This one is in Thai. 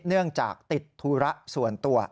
เนื่องจากติดธุระส่วนตัว